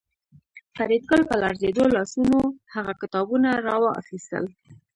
فریدګل په لړزېدلو لاسونو هغه کتابونه راواخیستل